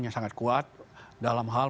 yang sangat kuat dalam hal